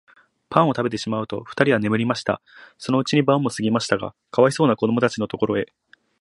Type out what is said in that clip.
パンをたべてしまうと、ふたりは眠りました。そのうちに晩もすぎましたが、かわいそうなこどもたちのところへ、